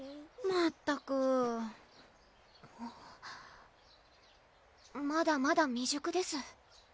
まったくあっまだまだ未熟です